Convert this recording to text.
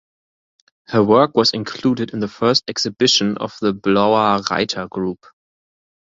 Her work was included in the first exhibition of the Blauer Reiter group.